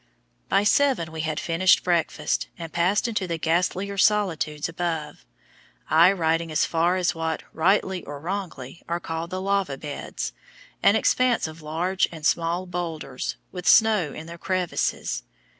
By seven we had finished breakfast, and passed into the ghastlier solitudes above, I riding as far as what, rightly, or wrongly, are called the "Lava Beds," an expanse of large and small boulders, with snow in their crevices.